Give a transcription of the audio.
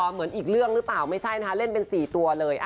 เหมือนอีกเรื่องหรือเปล่าไม่ใช่นะคะเล่นเป็น๔ตัวเลย